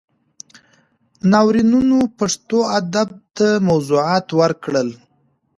ناورینونو پښتو ادب ته موضوعات ورکړل.